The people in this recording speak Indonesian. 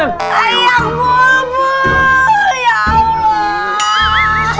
ayang bul bul ya allah